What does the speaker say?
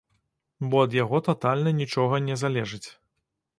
Бо ад яго татальна нічога не залежыць.